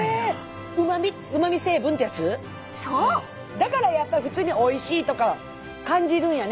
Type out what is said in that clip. だからやっぱり普通においしいとか感じるんやね。